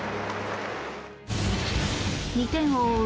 ２点を追う